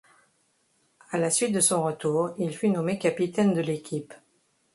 À la suite de son retour, il fut nommé capitaine de l'équipe.